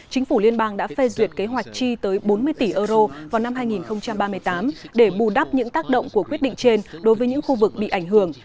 chính phủ liên bang đã phê duyệt kế hoạch chi tới bốn mươi tỷ euro vào năm hai nghìn ba mươi tám để bù đắp những tác động của quyết định trên đối với những khu vực bị ảnh hưởng